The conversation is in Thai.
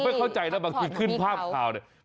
ไม่เข้าใจนะบางทีขึ้นภาพข่าวเนี่ย